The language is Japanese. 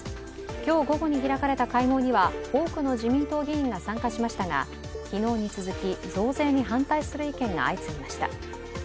今日午後に開かれた会合には多くの自民党議員が参加しましたが、昨日に続き、増税に反対する意見が相次ぎました。